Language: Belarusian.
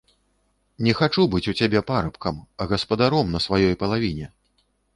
Не хачу быць у цябе парабкам, а гаспадаром на сваёй палавіне.